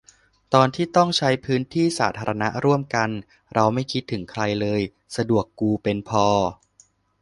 ตอนที่ต้องใช้พื้นที่สาธารณะร่วมกัน เราไม่คิดถึงใครเลย สะดวกกูเป็นพอ